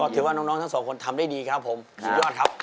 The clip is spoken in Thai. ถือว่าน้องทั้งสองคนทำได้ดีครับผมสุดยอดครับ